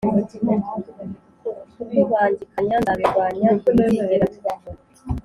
Kukubangikanya nzabirwanya ntibizigera bibaho